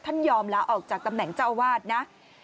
ยอมลาออกจากตำแหน่งเจ้าอาวาสนะ